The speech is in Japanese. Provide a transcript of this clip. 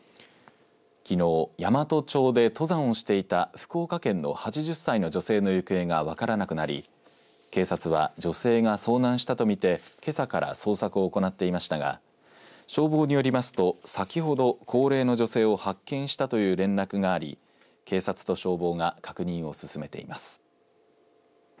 きのう、山都町で登山をしていた福岡県の８０歳の女性の行方が分からなくなり警察は女性が遭難したと見てけさから捜索を行っていましたが消防によりますと先ほど高齢の女性を発見したという連絡があり警察と消防が確認を進めています。